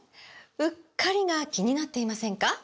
“うっかり”が気になっていませんか？